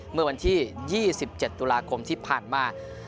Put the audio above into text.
เมื่อวันที่๒๗ตุลาคมที่ผ่านมา